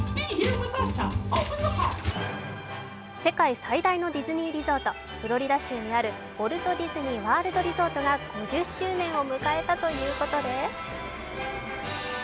世界最大のディズニーリゾート、フロリダ州にあるウォルト・ディズニー・ワールド・リゾートが５０周年を迎えたということです。